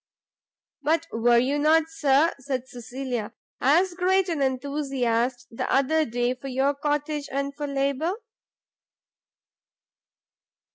"But were you not, Sir," said Cecilia, "as great an enthusiast the other day for your cottage, and for labour?"